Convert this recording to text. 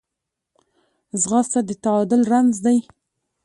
ځغاسته د تعادل رمز دی